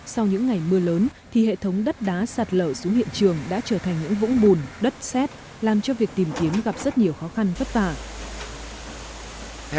sau những ngày mưa lớn thì hệ thống đất đá sạt lở xuống hiện trường đã trở thành những vũng bùn đất xét